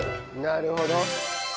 なるほど。